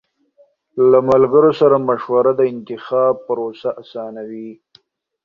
له ملګرو سره مشوره د انتخاب پروسه آسانوي.